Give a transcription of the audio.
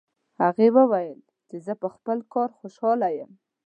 هغې وویل چې زه په خپل کار خوشحاله یم